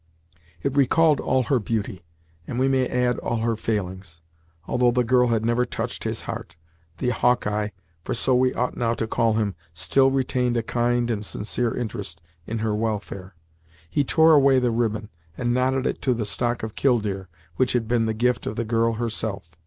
It recalled all her beauty, and we may add all her failings. Although the girl had never touched his heart, the Hawkeye, for so we ought now to call him, still retained a kind and sincere interest in her welfare. He tore away the ribbon, and knotted it to the stock of Killdeer, which had been the gift of the girl herself.